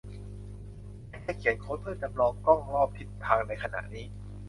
ฉันแค่เขียนโค้ดเพื่อจำลองกล้องรอบทิศทางในขณะนี้